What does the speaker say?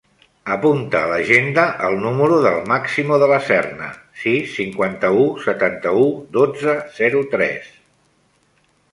Apunta a l'agenda el número del Máximo De La Serna: sis, cinquanta-u, setanta-u, dotze, zero, tres.